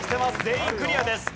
全員クリアです。